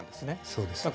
そうですね。